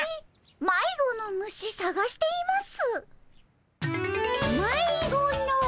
「迷子の虫探しています」。